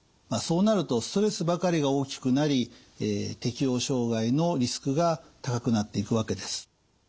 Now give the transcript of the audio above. そうなるとストレスばかりが大きくなり適応障害のリスクが高くなっていくわけです。